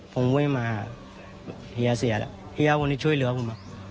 ผมไม่มาเฮียเสียแล้วเฮียคนที่ช่วยเหลือผม